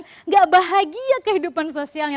tidak bahagia kehidupan sosialnya